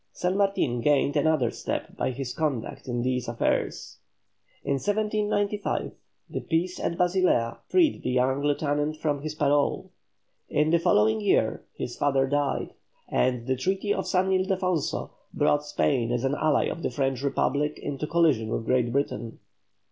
San Martin gained another step by his conduct in these affairs. In 1795 the peace of Basilea freed the young lieutenant from his parole. In the following year his father died, and the treaty of San Ildefonso brought Spain as an ally of the French republic into collision with Great Britain.